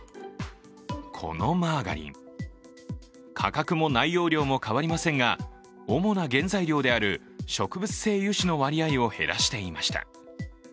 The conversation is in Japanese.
このマーガリン、価格も内容量も変わりませんが、主な原材料である植物性油脂の割合を減らしていました。